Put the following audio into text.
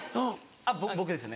あっ僕ですよね。